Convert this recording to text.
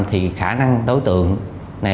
thì khả năng đối tượng này